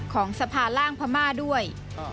ของสภาล่างพม่าด้วย